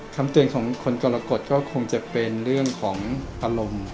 คำเตือนของคนกรกฎก็คงจะเป็นเรื่องของอารมณ์